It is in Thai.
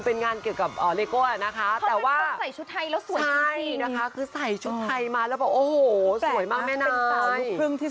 เบลยังไม่ค่อยรู้ดีเทลเท่าไหร่แต่ว่ารู้ว่าเป็นสิ้นเดือน